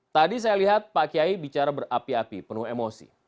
tadi saya lihat pak kiai bicara berapi api penuh emosi